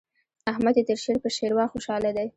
احمد يې تر شير په شېروا خوشاله دی.